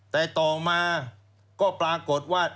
แต่ต่อมาก็ปรากฏว่า